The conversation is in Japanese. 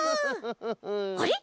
あれ？